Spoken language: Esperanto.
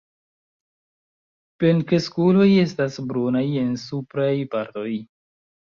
Plenkreskuloj estas brunaj en supraj partoj.